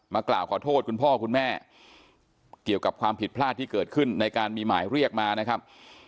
กล่าวขอโทษคุณพ่อคุณแม่เกี่ยวกับความผิดพลาดที่เกิดขึ้นในการมีหมายเรียกมานะครับ